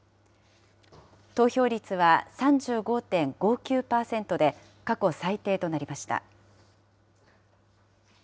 投票率は３５．５９％で、過去最低となりました。